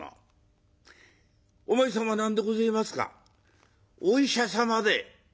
「お前さんは何でごぜえますかお医者様で。